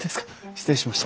失礼しました。